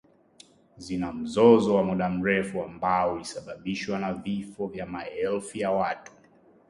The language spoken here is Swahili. zina mzozo wa muda mrefu ambao ulisababishwa vifo vya maelfu ya watu